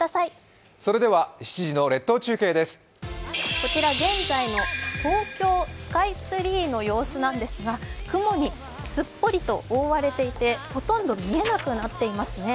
こちら現在の東京スカイツリーの様子なんですが、雲にすっぽりと覆われていて、ほとんど見えなくなっていますね。